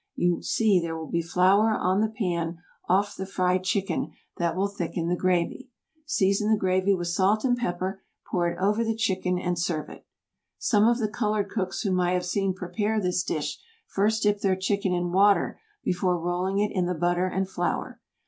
You see there will be flour on the pan off the fried chicken that will thicken the gravy. Season the gravy with salt and pepper, pour it over the chicken and serve it. Some of the colored cooks whom I have seen prepare this dish first dip their chicken in water before rolling it in the butter and flour.